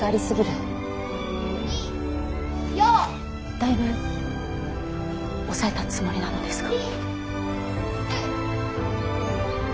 だいぶ抑えたつもりなのですが。